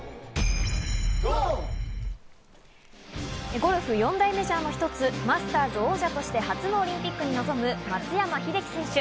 ゴルフ４大メジャーの一つ、マスターズ王者として初のオリンピックに臨む松山英樹選手。